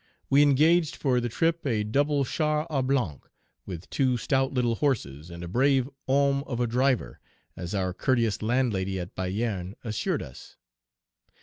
We engaged for the trip a double char à banc, with two stout little horses, and a brave homme of a driver, as our courteous landlady at Payerne assured us.